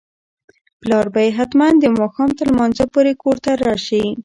پلار به یې حتماً د ماښام تر لمانځه پورې کور ته راشي.